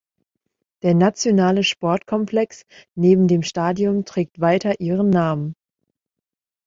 Der nationale Sportkomplex neben dem Stadion trägt weiter ihren Namen.